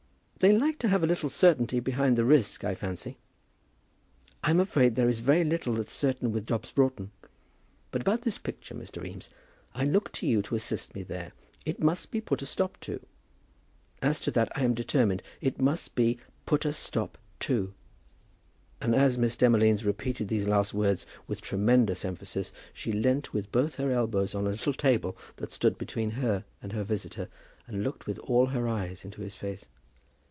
"They like to have a little certainty behind the risk, I fancy." "I'm afraid there is very little that's certain with Dobbs Broughton. But about this picture, Mr. Eames. I look to you to assist me there. It must be put a stop to. As to that I am determined. It must be put a stop to." And as Miss Demolines repeated these last words with tremendous emphasis she leant with both her elbows on a little table that stood between her and her visitor, and looked with all her eyes into his face.